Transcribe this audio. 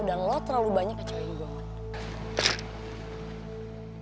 dan lu terlalu banyak kecabungan